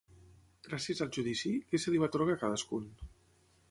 Gràcies al judici, què se li va atorgar a cadascun?